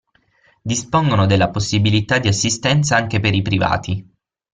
Dispongono della possibilità di assistenza anche per i privati.